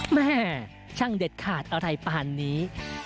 แม่ช่างเด็ดขาดอะไรปานนี้